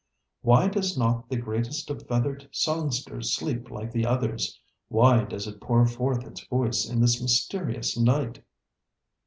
ŌĆ£Why does not the greatest of feathered songsters sleep like the others? Why does it pour forth its voice in the mysterious night?